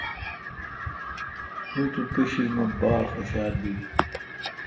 می تو پیشی مہ باڑ خوشال بل۔